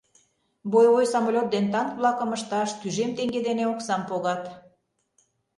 Боевой самолёт ден танк-влакым ышташ тӱжем теҥге дене оксам погат.